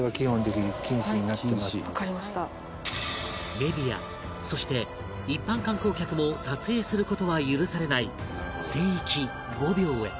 メディアそして一般観光客も撮影する事は許されない聖域御廟へ